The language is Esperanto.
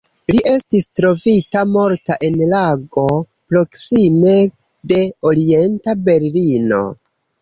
Li estis trovita morta en lago proksime de Orienta Berlino.